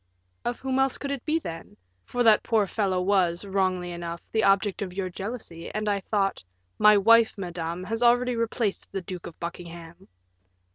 "Of whom else could it be, then? for that poor fellow was, wrongly enough, the object of your jealousy, and I thought " "My wife, madame, has already replaced the Duke of Buckingham."